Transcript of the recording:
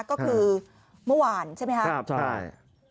ก็คือเมื่อวานใช่ไหมครับใช่